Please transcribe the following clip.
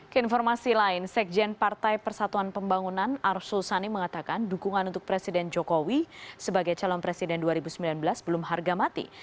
keinformasi lain sekjen partai persatuan pembangunan arsul sani mengatakan dukungan untuk presiden jokowi sebagai calon presiden dua ribu sembilan belas belum harga mati